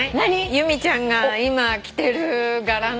由美ちゃんが今着てる柄の。